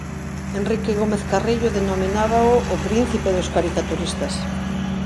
Enrique Gómez Carrillo denominábao ""o príncipe dos caricaturistas"".